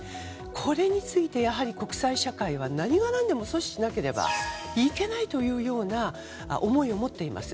これについて、国際社会は何がなんでも阻止しなければいけないというような思いを持っています。